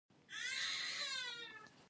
افغانستان زما ژوند دی؟